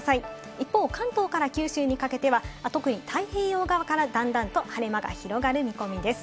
一方、関東から九州にかけては特に太平洋側から段々と晴れ間が広がる見込みです。